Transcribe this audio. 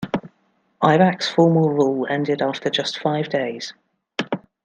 Aybak's formal rule ended after just five days.